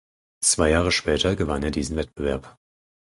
Zwei Jahre später gewann er diesen Wettbewerb.